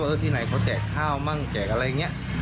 ที่ไหนเขาแจกข้าวมั่งแจกอะไรอย่างนี้